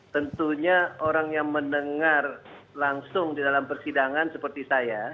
tentunya orang yang mendengar langsung di dalam persidangan seperti saya